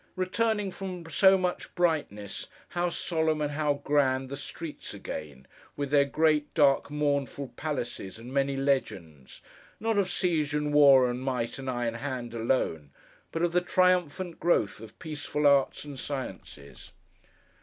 Returning from so much brightness, how solemn and how grand the streets again, with their great, dark, mournful palaces, and many legends: not of siege, and war, and might, and Iron Hand alone, but of the triumphant growth of peaceful Arts and Sciences.